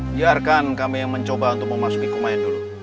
biarkan kami mencoba untuk memasuki kumain dulu